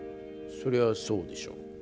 そりゃそうでしょう。